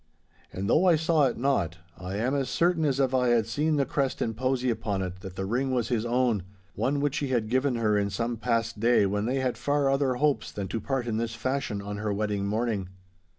And though I saw it not, I am as certain as if I had seen the crest and posy upon it that the ring was his own, one which he had given her in some past day when they had far other hopes than to part in this fashion on her wedding morning.